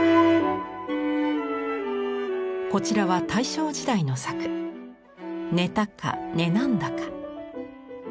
こちらは大正時代の作「寝たか寝なんだか」。